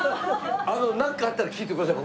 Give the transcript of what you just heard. なんかあったら聞いてください。